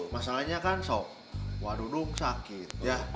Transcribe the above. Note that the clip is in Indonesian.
masalahnya kan shoki waduh dong sakit